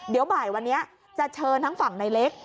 เดี๋ยวบ่ายวันนี้จะเชิญทั้งฝั่งในเล็ก